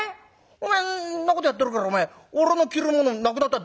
お前そんなことやってるから俺の着るものなくなったよ。